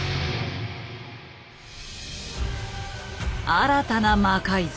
新たな魔改造。